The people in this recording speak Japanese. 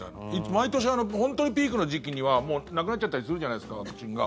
毎年、本当にピークの時期にはもうなくなったりちゃったりするじゃないですかワクチンが。